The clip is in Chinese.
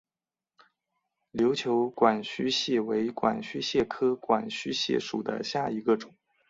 琉球管须蟹为管须蟹科管须蟹属下的一个种。